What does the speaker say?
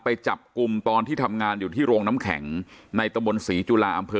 ไปจับกลุ่มตอนที่ทำงานอยู่ที่โรงน้ำแข็งในตะบนศรีจุฬาอำเภอ